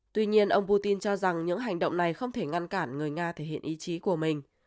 tuy nhiên ông putin cho rằng những hành động này không thể ngăn cản người nga thể hiện ý chí của mình